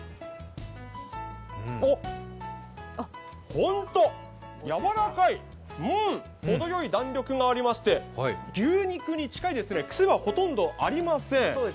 おっ、ホント、柔らかい、うん、ほどよい弾力がありまして、牛肉に近いですね、癖はほとんどありません。